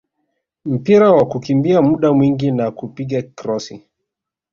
mpira wa kukimbia muda mwingi na kupiga krosi